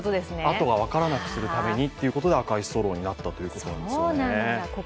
あとは分からなくするためにっていうことで赤いストローになったということなんですよね。